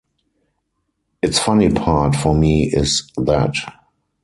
Its funny part for me is that